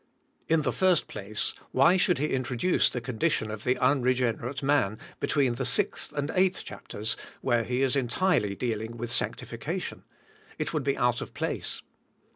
In the first place, why should he intro duce the condition of the unregenerate man between the sixth and eighth chapters, where he is entirely dealing with sanctification? It would be out of place.